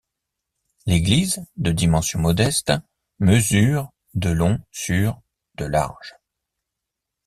L'église, de dimensions modestes, mesure de long sur de large.